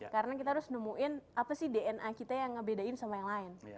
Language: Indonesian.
karena kita harus nemuin apa sih dna kita yang ngebedain sama yang lain